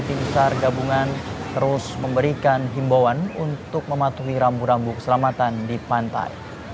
tim sar gabungan terus memberikan himbauan untuk mematuhi rambu rambu keselamatan di pantai